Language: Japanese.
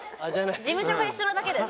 事務所が一緒なだけです。